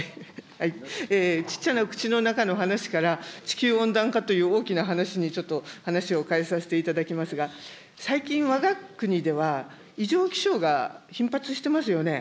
ちっちゃな口の中の話から、地球温暖化という大きな話にちょっと話を変えさせていただきますが、最近、わが国では異常気象が頻発してますよね。